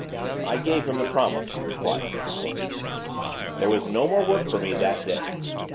I gave him the promise he required. There was no more work for me that day.